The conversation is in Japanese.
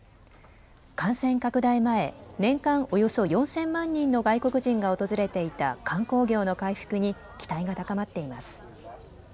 感染拡大前、年間およそ４０００万人の外国人が訪れていた観光業の回復に期待が高まっています。